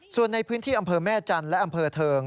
ส่วนในพื้นที่อำเภอแม่จันทร์และอำเภอเทิง